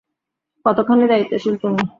কতখানি দায়িত্বশীল তুমি।